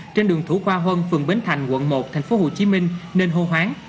trên đường thủ khoa huân phường bến thành quận một tp hcm nên hô hoáng